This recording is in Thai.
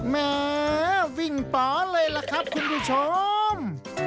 แหมวิ่งป๋อเลยล่ะครับคุณผู้ชม